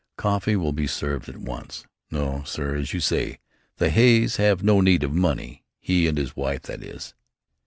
Coffee will be served at once. No, sir, as you say, the Hays have no need of money he and his wife, that is."